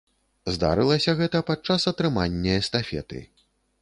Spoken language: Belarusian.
Здарылася гэта падчас атрымання эстафеты.